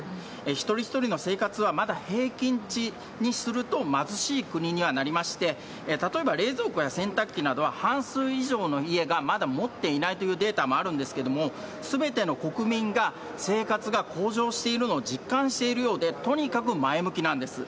一人一人の生活は、まだ平均値にすると貧しい国にはなりまして、例えば冷蔵庫や洗濯機などは半数以上の家がまだ持っていないというデータもあるんですけれども、すべての国民が生活が向上しているのを実感しているようで、とにかく前向きなんです。